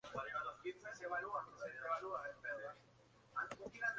A continuación se describen ambas.